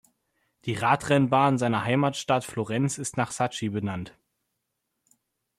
Die Radrennbahn seiner Heimatstadt Florenz ist nach Sacchi benannt.